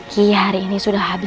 kamu di rumah sakit